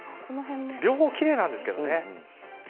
両方、奇麗なんですけどね。